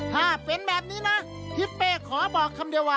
ถ้าเป็นแบบนี้นะทิศเป้ขอบอกคำเดียวว่า